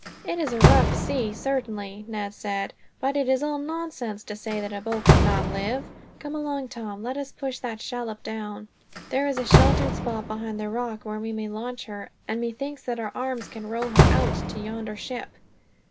"It is a rough sea, certainly," Ned said; "but it is all nonsense to say that a boat could not live. Come along, Tom. Let us push that shallop down. There is a sheltered spot behind that rock where we may launch her, and methinks that our arms can row her out to yonder ship."